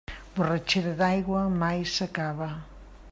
Borratxera d'aigua, mai s'acaba.